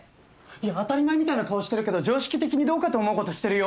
いや当たり前みたいな顔してるけど常識的にどうかと思うことしてるよ？